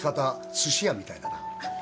寿司屋みたいだなあっ